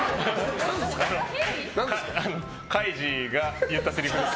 カイジが言ったセリフです。